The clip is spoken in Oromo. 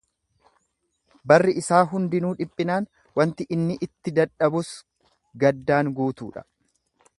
Barri isaa hundinuu dhiphinaan, wanti inni itti dadhabus gaddaan guutuu dha;